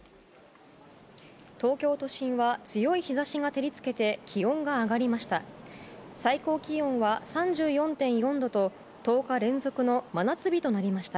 東京都心は強い日差しが照り付けて気温が上がりました。